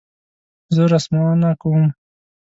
زه رسمونه کوم